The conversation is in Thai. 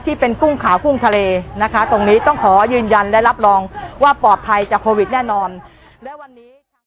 ที่เป็นกุ้งขาวกุ้งทะเลนะคะตรงนี้ต้องขอยืนยันและรับรองว่าปลอดภัยจากโควิดแน่นอน